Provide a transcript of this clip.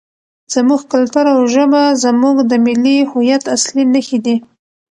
زموږ کلتور او ژبه زموږ د ملي هویت اصلي نښې دي.